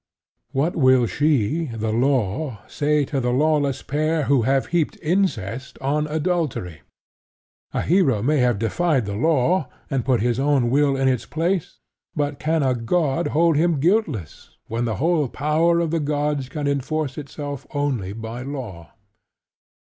What will she, the Law, say to the lawless pair who have heaped incest on adultery? A hero may have defied the law, and put his own will in its place; but can a god hold him guiltless, when the whole power of the gods can enforce itself only by law?